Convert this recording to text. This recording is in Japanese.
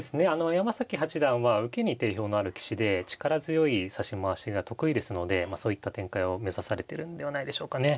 山崎八段は受けに定評のある棋士で力強い指し回しが得意ですのでそういった展開を目指されてるんではないでしょうかね。